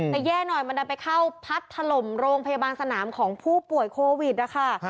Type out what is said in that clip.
แต่แย่หน่อยมันดันไปเข้าพัดถล่มโรงพยาบาลสนามของผู้ป่วยโควิดนะคะ